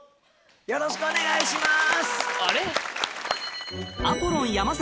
よろしくお願いします。